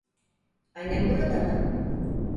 Annem burada mı?